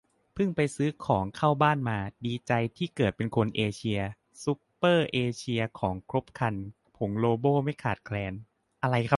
เพิ่งไปซื้อของเข้าบ้านมา ดีใจที่เกิดเป็นคนเอเชีย ซูเปอร์เอเชียของครบครัน ผงโลโบไม่ขาดแคลน